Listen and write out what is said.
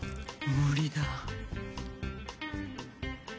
無理だ。